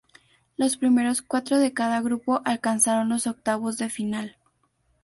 Los primeros cuatro de cada grupo alcanzaron los octavos de final.